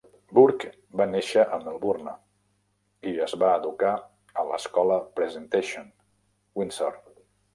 Burke va néixer a Melbourne i es va educar a l'escola Presentation, Windsor.